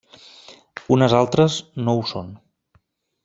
Unes altres no ho són.